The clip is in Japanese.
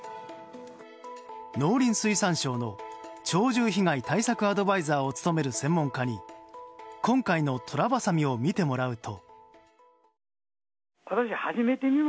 農林水産省の鳥獣被害対策アドバイザーを務める専門家に今回のトラバサミを見てもらうと。